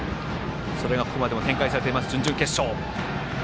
それが、ここまでも展開されています準々決勝。